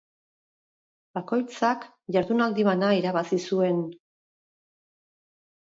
Bakoitzak jardunaldi bana irabazi zuen.